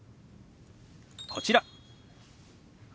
こちら。